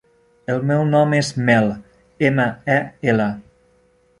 El meu nom és Mel: ema, e, ela.